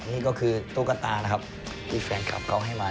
นี่ก็คือตุ๊กตานะครับที่แฟนคลับเขาให้มา